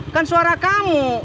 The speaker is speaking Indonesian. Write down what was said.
kan suara kamu